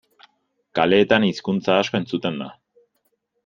Kaleetan hizkuntza asko entzuten da.